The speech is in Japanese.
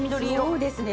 そうですね。